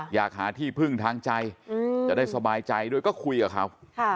อยากหาที่พึ่งทางใจจะได้สบายใจด้วยก็คุยกับเขา